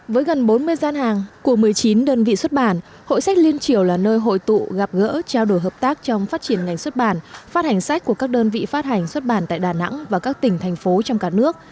với gần bốn mươi gian hàng của một mươi chín đơn vị xuất bản hội sách liên triều là nơi hội tụ gặp gỡ trao đổi hợp tác trong phát triển ngành xuất bản phát hành sách của các đơn vị phát hành xuất bản tại đà nẵng và các tỉnh thành phố trong cả nước